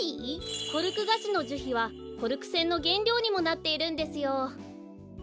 コルクガシのじゅひはコルクせんのげんりょうにもなっているんですよ。